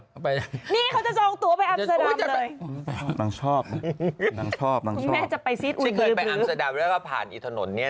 นี่เขาจะจองตัวไปอัมเสด็มเลย